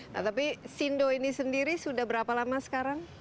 nah tapi sindo ini sendiri sudah berapa lama sekarang